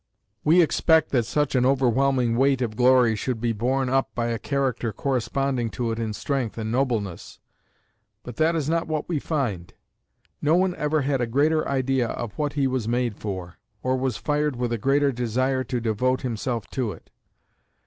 We expect that such an overwhelming weight of glory should be borne up by a character corresponding to it in strength and nobleness. But that is not what we find. No one ever had a greater idea of what he was made for, or was fired with a greater desire to devote himself to it.